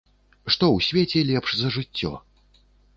Што ў свеце лепш за жыццё?